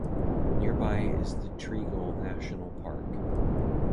Nearby is the Tregole National Park.